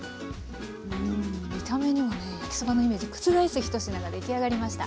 うん見た目にもね焼きそばのイメージを覆す１品が出来上がりました。